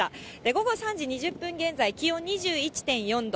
午後３時２０分現在、気温２１．４度。